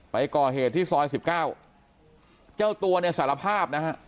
ไปก่อเหตุที่ซอยสิบเก้าเจ้าตัวเนี่ยสารภาพนะฮะ